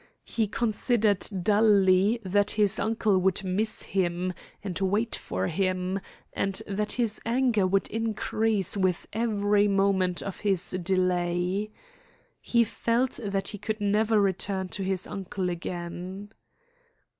He considered dully that his uncle would miss him and wait for him, and that his anger would increase with every moment of his delay. He felt that he could never return to his uncle again.